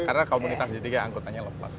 karena komunitas jadi kayak angkotannya lepas